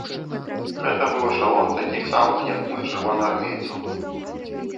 Гэта быў эшалон такіх самых, як мы, чырвонаармейцаў.